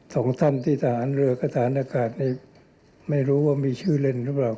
สองท่านที่ต่างอันเรือก็ต่างอันอากาศไม่รู้ว่ามีชื่อเล่นหรือเปล่า